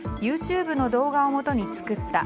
ＹｏｕＴｕｂｅの動画をもとに作った。